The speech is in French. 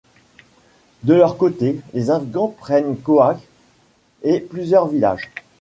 De leur côté, les Afghans prennent Khohak et plusieurs villages.